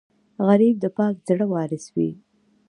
غریب د پاک زړه وارث وي